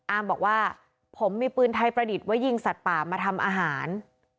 บอกว่าผมมีปืนไทยประดิษฐ์ไว้ยิงสัตว์ป่ามาทำอาหาร